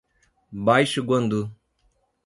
Baixo Guandu